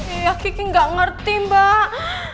iya kiki gak ngerti mbak